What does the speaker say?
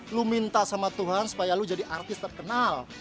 lu minta sama tuhan supaya lo jadi artis terkenal